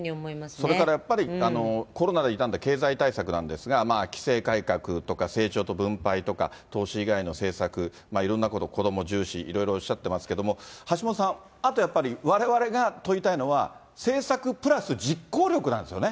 それからやっぱり、コロナで傷んだ経済対策なんですが、規制改革とか成長と分配とか投資以外の政策、いろんなこと、子ども重視、いろいろおっしゃってますけれども、橋下さん、あとやっぱり、われわれが問いたいのは、政策プラス実行力なんですよね。